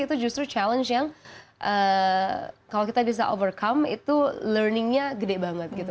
itu justru challenge yang kalau kita bisa overcome itu learningnya gede banget gitu